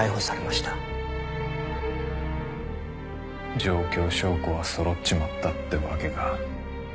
状況証拠はそろっちまったってわけか。